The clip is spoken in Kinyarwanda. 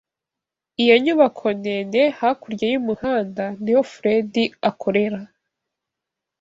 Iyo nyubako ndende hakurya y'umuhanda niho Fredy akorera.